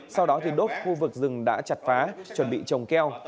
sau đó thì đốt khu vực rừng đã chặt phá chuẩn bị trồng keo